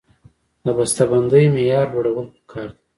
د بسته بندۍ معیار لوړول پکار دي